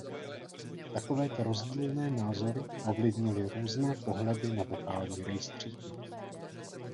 Takovéto rozdílné názory ovlivnily různé pohledy na vokální rejstříky.